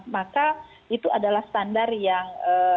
maka itu adalah standar yang